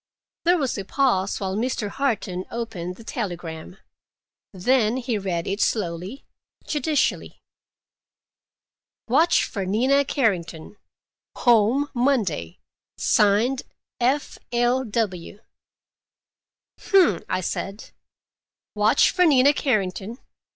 There was a pause while Mr. Harton opened the telegram. Then he read it slowly, judicially. "'Watch for Nina Carrington. Home Monday. Signed F. L. W.'" "Hum!" I said. "'Watch for Nina Carrington.